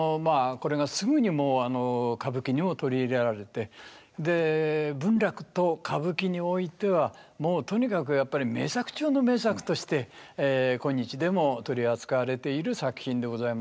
これがすぐにもう歌舞伎にも取り入れられてで文楽と歌舞伎においてはもうとにかくやっぱり名作中の名作として今日でも取り扱われている作品でございます。